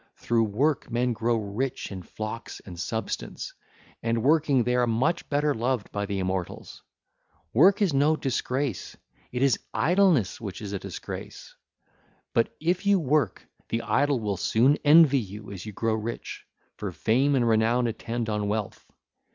Through work men grow rich in flocks and substance, and working they are much better loved by the immortals 1308. Work is no disgrace: it is idleness which is a disgrace. But if you work, the idle will soon envy you as you grow rich, for fame and renown attend on wealth.